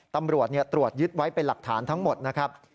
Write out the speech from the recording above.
ตำรวจตรวจยึดไว้เป็นหลักฐานทั้งหมดนะครับ